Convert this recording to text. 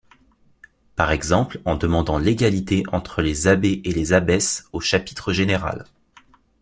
Par exemple en demandant l'égalité entre les abbés et les abbesses au chapitre général.